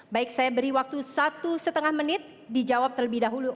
baik saya beri waktu satu lima menit dijawab terlebih dahulu